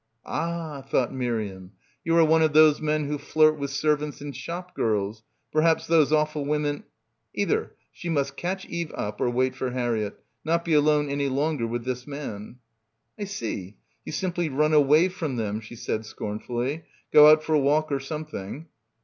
Ah, thought Miriam, you are one of those men who flirt with servants and shop girls ... per haps those awful women. ... Either she must catch Eve up or wait for Harriett ... not be alone any longer with this man. "I see. You simply run away from them," she said scornfully; "go out for a walk or some thing."